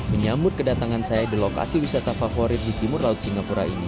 menyambut kedatangan saya di lokasi wisata favorit di timur laut singapura ini